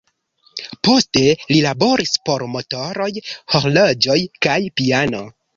Poste li laboris por motoroj, horloĝoj kaj piano.